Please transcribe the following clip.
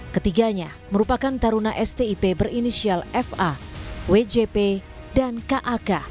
ketiganya merupakan taruna stip berinisial fa wjp dan kak